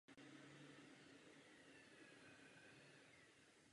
Proces zahrnoval veřejnou nominaci vlastních jmen a následné hlasování.